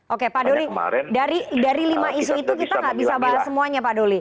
oke pak doli dari lima isu itu kita nggak bisa bahas semuanya pak doli